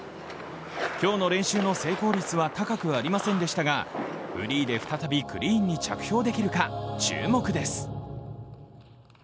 今日の練習の成功率は高くありませんでしたがフリーで再びクリーンに着氷できるかどうか注目です。